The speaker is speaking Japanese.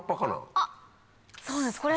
あっそうなんですこれ。